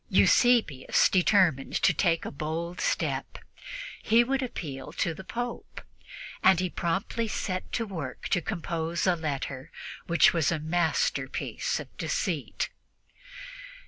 Eusebius determined to take a bold step he would appeal to the Pope, and he promptly set to work to compose a letter which was a masterpiece of deceit.